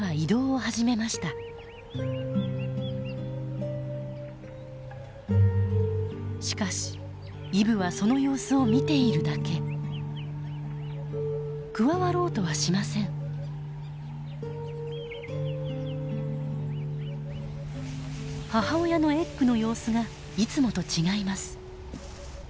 母親のエッグの様子がいつもと違います。